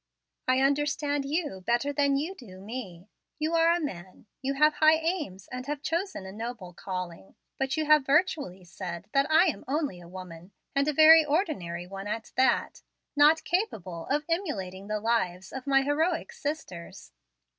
"I understand you better than you do me. You are a man. You have high aims, and have chosen a noble calling. But you have virtually said that I am only a woman, and a very ordinary one at that, not capable of emulating the lives of my heroic sisters.